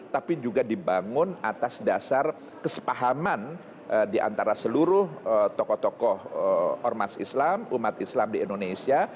tapi juga dibangun atas dasar kesepahaman di antara seluruh tokoh tokoh ormas islam umat islam di indonesia